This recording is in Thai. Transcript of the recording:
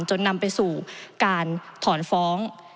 จนนำไปสู่การถอนฟ้อง